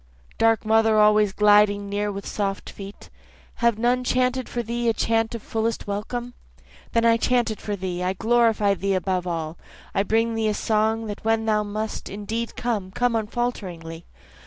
Dark mother always gliding near with soft feet, Have none chanted for thee a chant of fullest welcome? Then I chant it for thee, I glorify thee above all, I bring thee a song that when thou must indeed come, come unfalteringly.